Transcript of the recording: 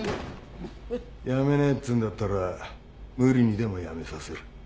やめねえっていうんだったら無理にでもやめさせる。